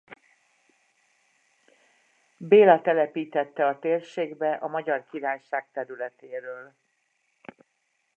Béla telepítette a térségbe a Magyar Királyság területéről.